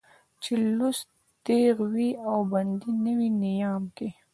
چې لوڅ تېغ وي او بندي نه وي نيام کې